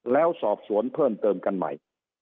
แล้วสอบสวนเพิ่มเติมกันใหม่